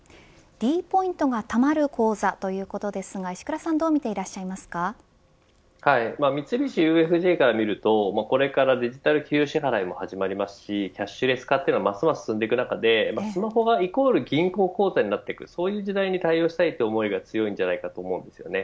ｄポイントがたまる口座ということですが石倉さんどう見三菱ＵＦＪから見るとこれからデジタル給与支払いも始まりますしキャッシュレス化も進んでいく中でスマホがイコール銀行口座になってくるそういった時代に対応したいという思いが強いです。